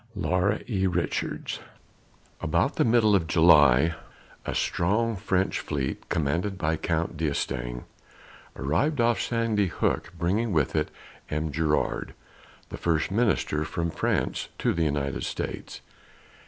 LAURA E. RICHARDS. About the middle of July, a strong French fleet, commanded by Count D'Estaing, arrived off Sandy Hook, bringing with it M. Gérard, the first minister from France to the United States.